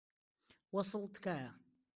وەسڵ، تکایە.